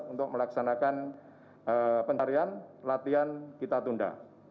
untuk melaksanakan penarian latihan kita tunda